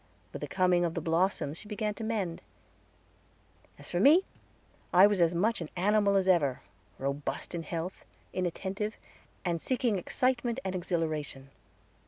With the coming of the blossoms she began to mend. As for me, I was as much an animal as ever robust in health inattentive, and seeking excitement and exhilaration.